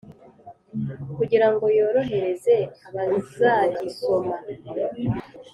kugira ngo yorohereze abazagisoma